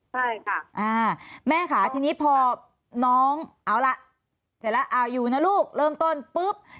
ใช่ค่ะแม่ค่ะทีนี้พอน้องเอาล่ะเสร็จแล้วเอาอยู่นะลูกเริ่มต้นปุ๊บ